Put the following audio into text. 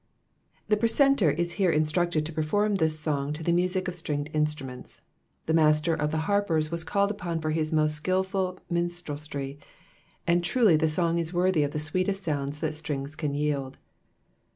The Precentor w here instructed to perform this song to the mimic of stringed instruments. The master of the harpers was called upon for liis most akilfxU minstrelsy, and truly the song is worthy of' tJie sweetest sounds that strings can yield.